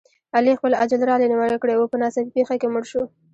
علي خپل اجل را لېونی کړی و، په ناڅاپي پېښه کې مړ شو.